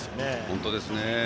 本当ですね。